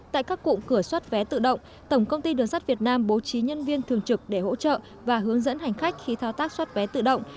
tại các cụm cửa xuất vé tự động tổng công ty đường sắt việt nam bố trí nhân viên thường trực để hỗ trợ và hướng dẫn hành khách khi thao tác xót vé tự động